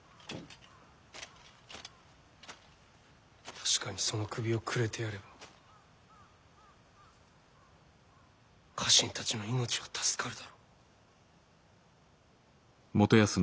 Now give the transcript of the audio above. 確かにその首をくれてやれば家臣たちの命は助かるだろう。